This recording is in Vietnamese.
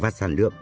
và sản lượng